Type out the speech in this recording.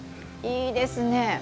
いいですね！